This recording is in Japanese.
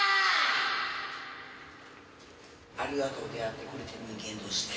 ありがとう出会ってくれて人間として。